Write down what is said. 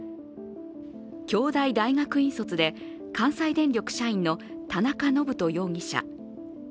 京大大学院卒で関西電力社員の田中信人容疑者。